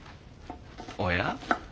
おや？